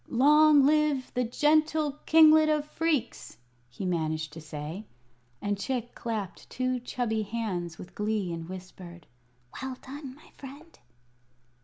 "Long live the gentle Kinglet of Phreex," he managed to say. And Chick clapped two chubby hands with glee, and whispered: "Well done, my friend!"